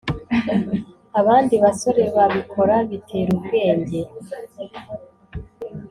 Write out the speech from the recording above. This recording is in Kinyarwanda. abandi basore babikora bitera ubwenge